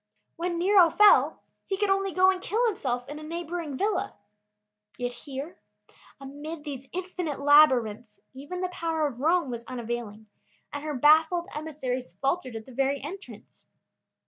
When Nero fell, he could only go and kill himself in a neighboring villa. Yet here, amid these infinite labyrinths, even the power of Rome was unavailing, and her baffled emissaries faltered at the very entrance.